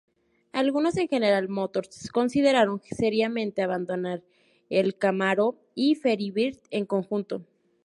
Algunos en General Motors consideraron seriamente abandonar el Camaro y Firebird en conjunto.